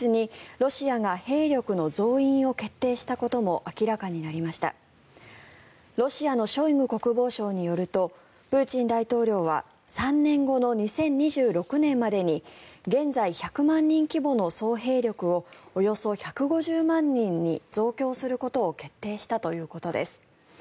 ロシアのショイグ国防相によるとプーチン大統領は３年後の２０２６年までに現在１００万人規模の総兵力をおよそ１５０万人に増強することを決定したということです。